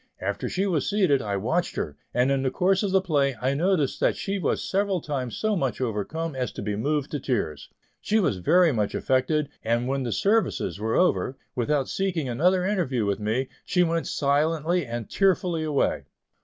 After she was seated, I watched her, and in the course of the play I noticed that she was several times so much overcome as to be moved to tears. She was very much affected, and when the "services" were over, without seeking another interview with me, she went silently and tearfully away.